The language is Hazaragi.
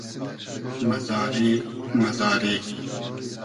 مئزاری مئزاری